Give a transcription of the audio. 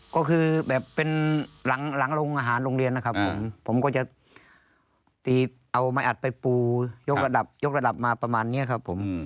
ก็คือแบบเป็นหลังโรงอาหารโรงเรียนนะครับผมผมก็จะตีเอาไม้อัดไปปูยกระดับยกระดับมาประมาณนี้ครับผม